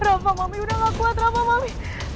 rafa mami udah gak kuat rafa mami